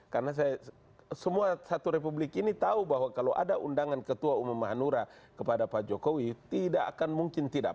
karena saya semua satu republik ini tahu bahwa kalau ada undangan ketua umum mahanura kepada pak jokowi tidak akan mungkin tidak